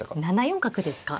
７四角ですか？